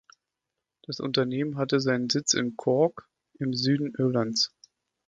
Das Unternehmen hatte seinen Sitz in Cork im Süden Irlands.